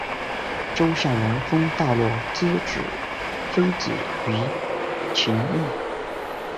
周孝王封大骆之子非子于秦邑。